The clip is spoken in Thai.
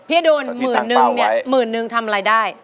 พี่อด๊วน๑หมื่นทำอะไรได้